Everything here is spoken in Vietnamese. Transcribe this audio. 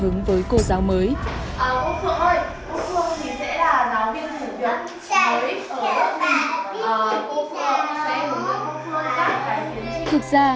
em yêu cây xanh